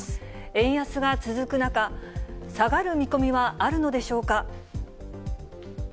円安が続く中、下がる見込みはあるのでしょうか。